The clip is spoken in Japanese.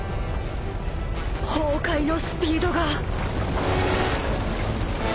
崩壊のスピードが。